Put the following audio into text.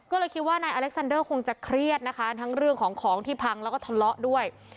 ก็เลยคิดว่านายอเล็กซันเดอร์คงจะเครียดนะคะทั้งเรื่องของของที่พังแล้วก็ทะเลาะด้วย